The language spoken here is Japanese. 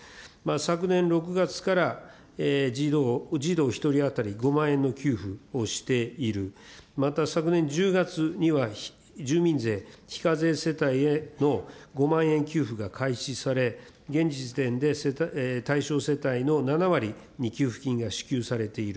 昨年６月から、児童１人当たり５万円の給付をしている、また昨年１０月には、住民税非課税世帯への５万円給付が開始され、現時点で対象世帯の７割に給付金が支給されている。